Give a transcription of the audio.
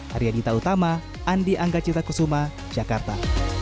hari adita utama andi anggacita kusuma jakarta